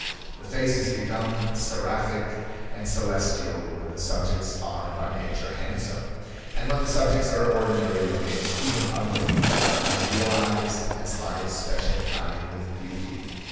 The faces become seraphic and celestial when the subjects are by nature handsome, and when the subjects are ordinary looking, even ugly, they are idealized as by a special kind of beauty."